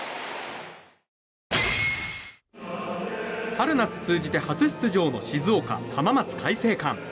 春夏通じて初出場の静岡・浜松開誠館。